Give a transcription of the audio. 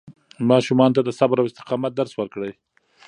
ماشومانو ته د صبر او استقامت درس ورکړئ.